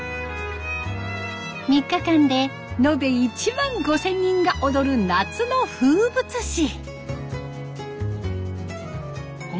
３日間で延べ１万５，０００人が踊る夏の風物詩。